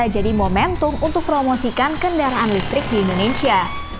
apalagi indonesia khususnya jakarta sudah memiliki kendaraan listrik yang lebih luas